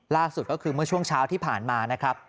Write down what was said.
ล่าสุดก็คือเมื่อช่วงเช้าที่ผ่านมานะครับ